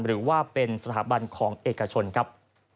หรือว่าเป็นสถาบันของเอกชนครับ